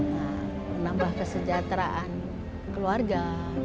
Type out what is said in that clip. nah menambah kesejahteraan keluarga